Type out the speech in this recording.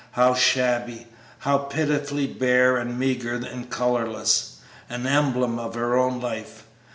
How shabby, how pitiably bare and meagre and colorless! An emblem of her own life!